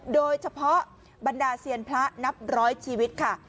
โดยเฉพาะบรรดาเซียนพระนับร้อยชีวิตค่ะ